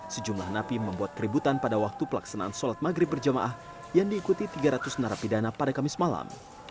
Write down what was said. sejumlah napi membuat keributan pada waktu pelaksanaan sholat maghrib berjamaah yang diikuti tiga ratus narapidana pada kamis malam